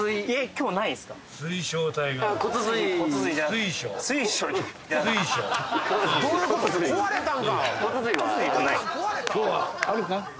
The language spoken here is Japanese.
今日はあるか？